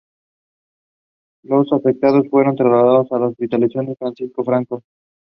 Los afectados fueron trasladados al Hospital Francisco Franco.